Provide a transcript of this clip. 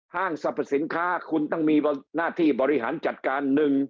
ห้างสรรพสินค้าคุณต้องมีหน้าที่บริหารจัดการ